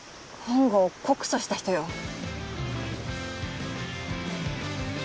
本郷を告訴した人よ。